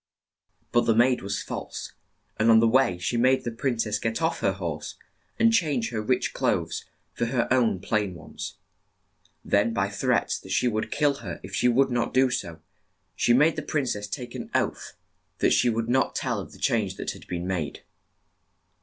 But the maid was false, and on the way she made the prin cess get off her horse, and change her rich clothes for her own plain ones. Then by threats that she would kill her if she would not do so, she made the prin cess take an oath that 4ft. THE GOOSE GIRL she would not tell of the change that had been made.